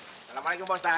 assalamualaikum pak ustaz